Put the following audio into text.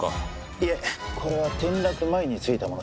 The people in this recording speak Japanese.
いえこれは転落前に付いたものです。